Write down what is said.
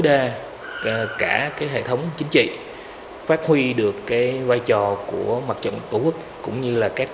đa cả hệ thống chính trị phát huy được vai trò của mặt trận tổ quốc cũng như các